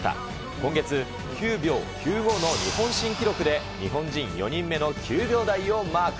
今月、９秒９５の日本新記録で日本人４人目の９秒台をマーク。